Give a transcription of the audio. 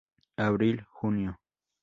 Abril-junio, fr.